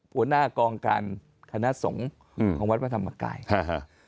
หัวหน้ากองการคณะสงฆ์อืมของวัดพระธรรมกายอ่าฮะ